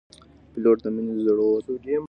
پیلوټ د مینې، زړورت